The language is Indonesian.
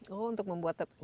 oh untuk membuat tebu